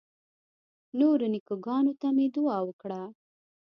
نورو نیکه ګانو ته مې دعا وکړه.